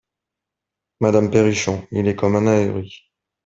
Madame PERRICHON Il est comme un ahuri !